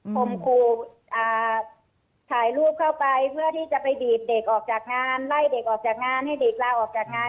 คมครูถ่ายรูปเข้าไปเพื่อที่จะไปบีบเด็กออกจากงานไล่เด็กออกจากงานให้เด็กลาออกจากงาน